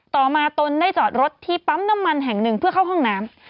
ต่อมาตนได้จอดรถที่ปั๊มน้ำมันแห่งหนึ่งเพื่อเข้าห้องน้ำ